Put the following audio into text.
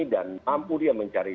dan mampu dia mencari